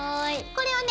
これをね